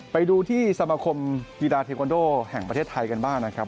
ไปดูที่สมาคมกีฬาเทควันโดแห่งประเทศไทยกันบ้างนะครับ